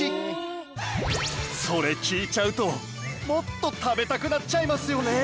それ聞いちゃうともっと食べたくなっちゃいますよね